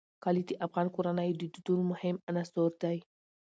کلي د افغان کورنیو د دودونو مهم عنصر دی.